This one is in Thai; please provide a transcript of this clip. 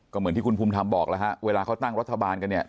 ก็เหมือนที่คุณภูมิธรรมบอกแล้วฮะเวลาเขาตั้งรัฐบาลกันเนี่ย